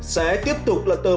sẽ tiếp tục là tờ báo